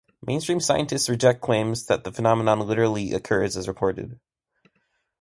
Mainstream scientists reject claims that the phenomenon literally occurs as reported.